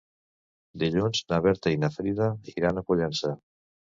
Dilluns na Berta i na Frida iran a Pollença.